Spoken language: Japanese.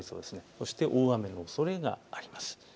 そして大雨のおそれがあります。